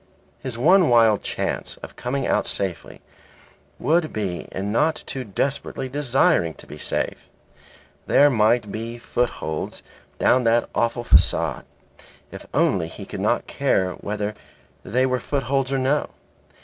His one wild chance of coming out safely would be in not too desperately desiring to be safe. There might be footholds down that awful facade, if only he could not care whether they were footholds or no.